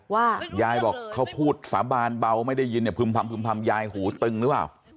ว่ายายบอกเขาพูดสาบานเบาไม่ได้ยินเนี่ยพึ่มพำยายหูตึงหรือเปล่า